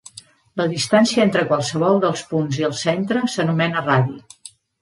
La distància entre qualsevol dels punts i el centre s'anomena radi.